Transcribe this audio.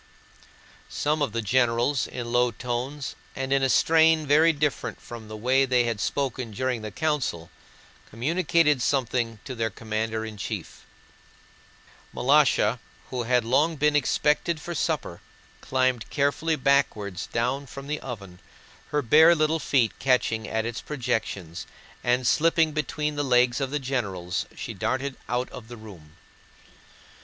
Some of the generals, in low tones and in a strain very different from the way they had spoken during the council, communicated something to their commander in chief. Malásha, who had long been expected for supper, climbed carefully backwards down from the oven, her bare little feet catching at its projections, and slipping between the legs of the generals she darted out of the room.